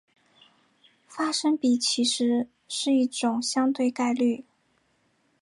发生比其实是一种相对概率。